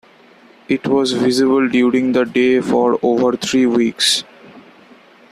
It was visible during the day for over three weeks.